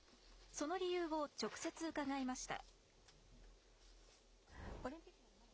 その理由を直接伺いました。